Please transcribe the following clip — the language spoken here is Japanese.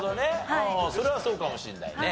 うんうんそれはそうかもしれないね。